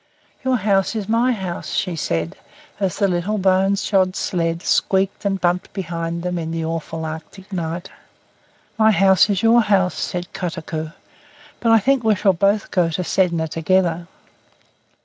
"Your house is my house," she said, as the little bone shod sleigh squeaked and bumped behind them in the awful Arctic night. "My house is your house," said Kotuko; "but I think that we shall both go to Sedna together."